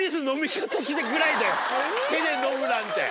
手で飲むなんて。